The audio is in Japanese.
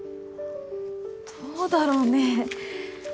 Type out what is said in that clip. どうだろうね